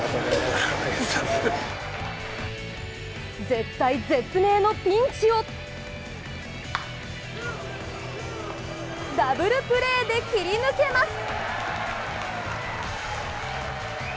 絶体絶命のピンチをダブルプレーで切り抜けます。